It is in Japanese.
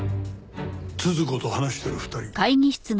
都々子と話してる２人。